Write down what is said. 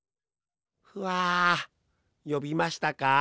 ふあよびましたか？